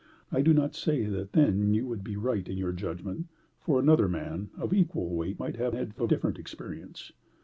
I do not say that then you would be right in your judgment, for another man, of equal weight, might have had a different experience.